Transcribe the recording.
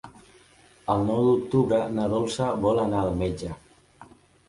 El nou d'octubre na Dolça vol anar al metge.